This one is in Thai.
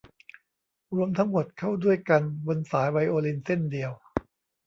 รวมทั้งหมดเข้าด้วยกันบนสายไวโอลินเส้นเดียว